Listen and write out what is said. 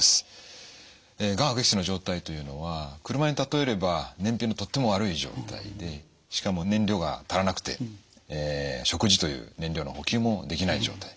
がん悪液質の状態というのは車に例えれば燃費のとっても悪い状態でしかも燃料が足らなくて食事という燃料の補給もできない状態。